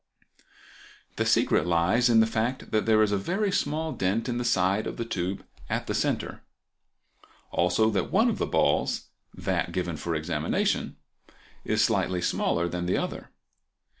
The secret lies in the fact that there is a very small dent in the side of the tube at the center: also that one of the balls—that given for examination—is slightly smaller than the other.